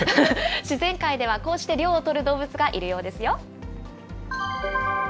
自然界ではこうして涼をとる動物がいるようですよ。